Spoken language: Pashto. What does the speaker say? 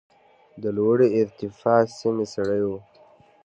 د لوړې ارتفاع سیمې سړې وي.